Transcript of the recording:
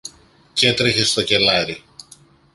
κι έτρεχε στο κελάρι.